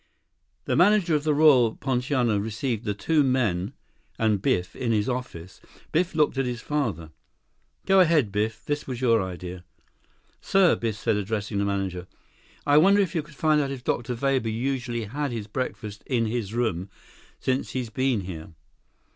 30 The manager of the Royal Poinciana received the two men and Biff in his office. Biff looked at his father. "Go ahead, Biff. This was your idea." "Sir," Biff said, addressing the manager, "I wonder if you could find out if Dr. Weber usually had his breakfast in his room since he's been here?"